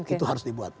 itu harus dibuat